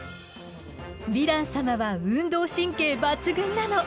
ヴィラン様は運動神経抜群なの！